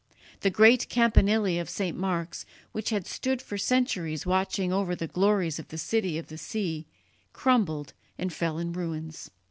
The great campanile of St. Mark's, which had stood for centuries watching over the glories of the City of the Sea, crumbled and fell in ruins.